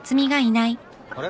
あれ？